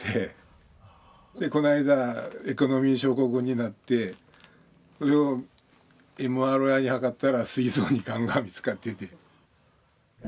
でこの間エコノミー症候群になってそれをＭＲＩにはかったらすい臓にガンが見つかってて。